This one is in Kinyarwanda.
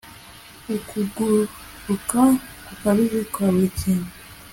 Ukuguruka gukabije kwa buri kintu